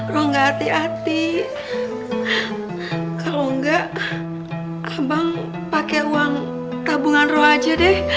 roh nggak hati hati kalau enggak abang pakai uang tabungan roh aja deh